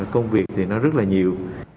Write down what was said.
công việc thì nó rất là nhiều